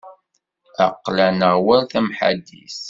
Aql-aneɣ war tamḥaddit.